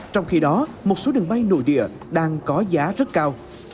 trong khi đó một số đường bay nội địa đang có giá rất cao